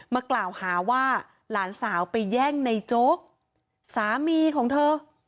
มากล่าวหาว่าหลานสาวไปแย่งในโจ๊กสามีของเธอ